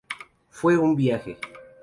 Fue un viaje.